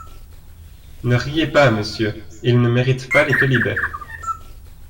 Ne riez pas, monsieur, ils ne méritent pas les quolibets.